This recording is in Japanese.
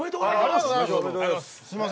ありがとうございます。